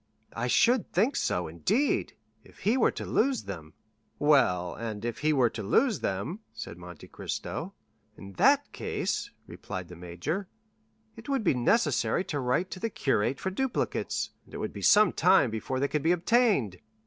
"I should think so, indeed! If he were to lose them——" "Well, and if he were to lose them?" said Monte Cristo. "In that case," replied the major, "it would be necessary to write to the curé for duplicates, and it would be some time before they could be obtained."